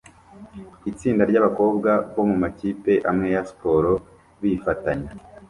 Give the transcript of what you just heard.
itsinda ryabakobwa bo mumakipe amwe ya siporo bifatanya